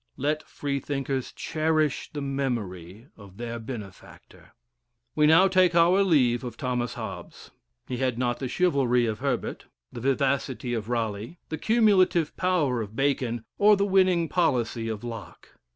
Let Freethinkers cherish the memory of their benefactor. We now take our leave of Thomas Hobbes. He had not the chivalry of Herbert; the vivacity of Raleigh; the cumulative power of Bacon; or the winning policy of Locke.